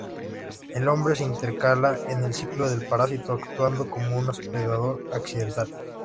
El hombre se intercala en el ciclo del parásito actuando como un hospedador accidental.